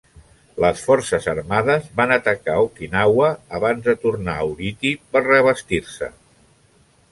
Les forces armades van atacar Okinawa abans de tornar a Ulithi per reabastir-se.